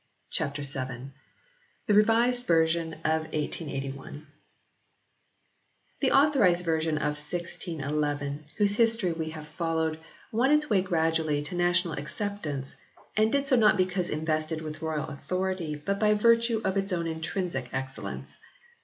CHAPTER VII THE REVISED VERSION OF 1881 THE Authorised Version of 1611, whose history we have followed, won its way gradually to national acceptance, and did so not because invested with royal authority, but by virtue of its own intrinsic excellence.